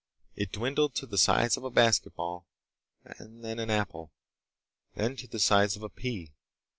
It dwindled to the size of a basketball and then an apple. Then to the size of a pea.